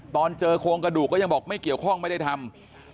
ตอนเจอโครงกระดูกก็ยังบอกไม่เกี่ยวข้องไม่ได้ทำ